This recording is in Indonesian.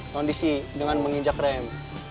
kondisi dengan menginjak rem